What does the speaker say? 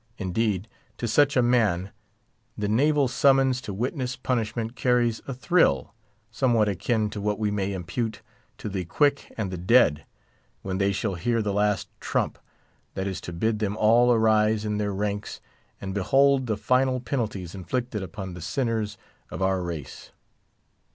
Indeed, to such a man the naval summons to witness punishment carries a thrill, somewhat akin to what we may impute to the quick and the dead, when they shall hear the Last Trump, that is to bid them all arise in their ranks, and behold the final penalties inflicted upon the sinners of our race.